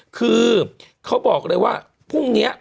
คือเขาบอกเลยว่าพรุ่งนี้